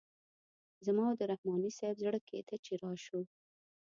زما او د رحماني صیب زړه کیده چې راشو.